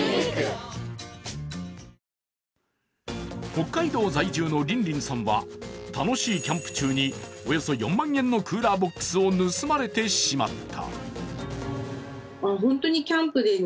北海道在住のＲＩＮＲＩＮさんは楽しいキャンプ中におよそ４万円のクーラーボックスを盗まれてしまった。